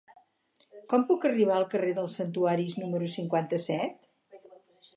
Com puc arribar al carrer dels Santuaris número cinquanta-set?